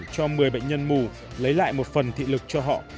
cho một mươi bệnh nhân mù lấy lại một phần thị lực cho họ